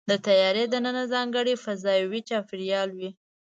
د طیارې دننه ځانګړی فضاوي چاپېریال وي.